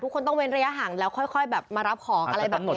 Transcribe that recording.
ต้องเว้นระยะห่างแล้วค่อยแบบมารับของอะไรแบบนี้